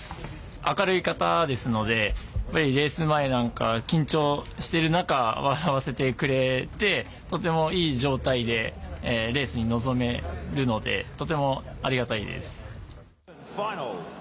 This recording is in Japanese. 明るい方ですのでレース前なんか緊張している中笑わせてくれてとてもいい状態でレースに臨めるのでとてもありがたいです。